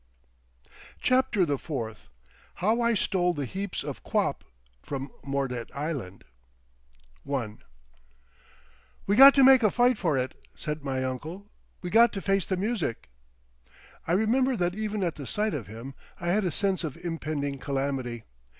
CHAPTER THE FOURTH HOW I STOLE THE HEAPS OF QUAP FROM MORDET ISLAND I "We got to make a fight for it," said my uncle. "We got to face the music!" I remember that even at the sight of him I had a sense of impending calamity.